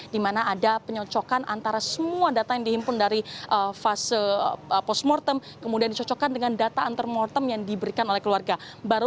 di mana ada penyocokan antara semua data yang dihimpun dari fase post mortem kemudian dicocokkan dengan data antar mortem yang diberikan oleh dokter